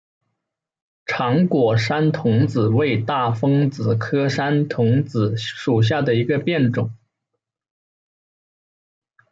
长果山桐子为大风子科山桐子属下的一个变种。